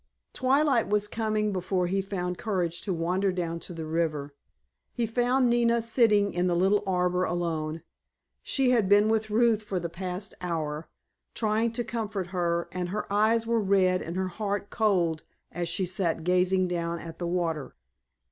Twilight was coming before he found courage to wander down to the river. He found Nina sitting in the little arbor alone. She had been with Ruth for the past hour, trying to comfort her, and her eyes were red and her heart cold as she sat gazing down at the water.